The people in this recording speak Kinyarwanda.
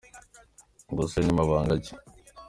Ubwo se ayo ni mabanga ki ?